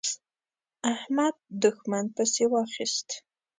احمد؛ دوښمن پسې واخيست.